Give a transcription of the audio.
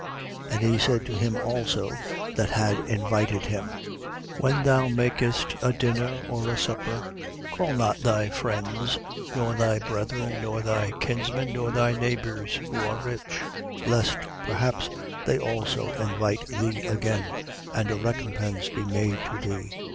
14:12. And he said to him also that had invited him: When thou makest a dinner or a supper, call not thy friends nor thy brethren nor thy kinsmen nor thy neighbours who are rich; lest perhaps they also invite thee again, and a recompense be made to thee.